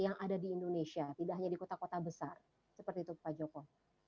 yang ada di indonesia tidak hanya di kota kota besar seperti itu pak joko